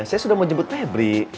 saya sudah mau jemput febri